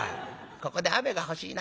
「ここで雨が欲しいな。